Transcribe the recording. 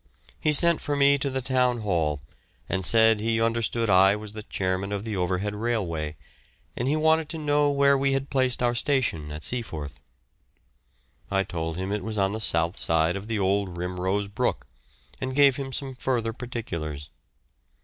He sent for me to the Town Hall, and said he understood I was the chairman of the Overhead Railway, and he wanted to know where we had placed our station at Seaforth. I told him it was on the south side of the old Rimrose Brook, and gave him some further particulars.